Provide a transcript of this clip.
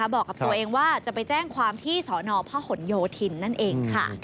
บอกกับตัวเองว่าจะไปแจ้งความที่สนพหนโยธินนั่นเองค่ะ